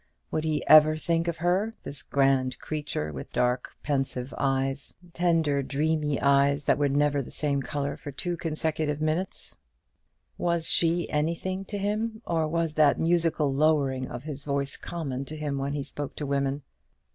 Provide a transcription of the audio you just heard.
Would he ever think of her, this grand creature with the dark pensive eyes, the tender dreamy eyes that were never the same colour for two consecutive minutes? Was she anything to him, or was that musical lowering of his voice common to him when he spoke to women?